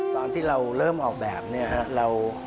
ตอนที่เราเริ่มออกแบบเนี่ยฮะ